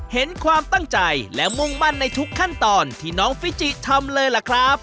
เห็นความตั้งใจและมุ่งมั่นในทุกขั้นตอนที่น้องฟิจิทำเลยล่ะครับ